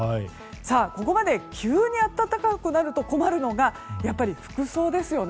ここまで急に暖かくなると困るのがやっぱり服装ですよね。